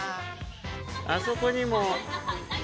あそこにも。